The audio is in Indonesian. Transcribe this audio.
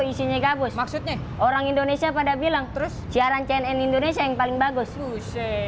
isinya gabus maksudnya orang indonesia pada bilang terus siaran cnn indonesia yang paling bagus usai